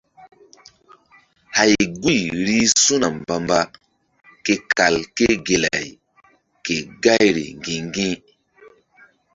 Hay guy rih su̧na mbamba ke kal ké gelay ke gayri ŋgi̧-ŋgi̧.